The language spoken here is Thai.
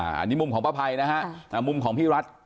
อันนี้มุมของป้าภัยนะฮะมุมของพี่รัฐ